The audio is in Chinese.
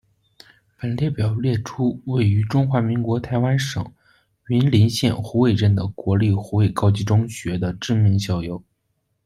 本列表列出位在中华民国台湾省云林县虎尾镇的国立虎尾高级中学的知名校友。